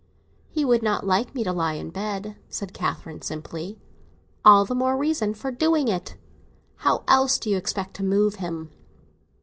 "He would not like me to lie in bed," said Catherine simply. "All the more reason for your doing it. How else do you expect to move him?"